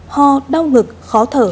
ho đau ngực khó thở